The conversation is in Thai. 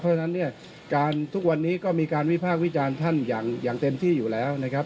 เพราะฉะนั้นเนี่ยการทุกวันนี้ก็มีการวิพากษ์วิจารณ์ท่านอย่างเต็มที่อยู่แล้วนะครับ